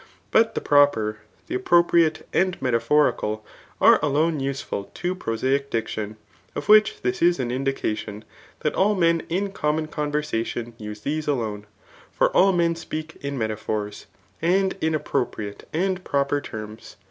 Bat the proper, the appropriate and metaphbricsH, are alone useful to prosaic diction; of which this is an indicadon, that all men [In common conversatioh[] use these alone ; fqit ail men speak in metaphors, and m appropriate and proper terms.